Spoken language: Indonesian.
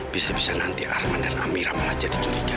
bisa bisa nanti arman dan amira malah jadi curiga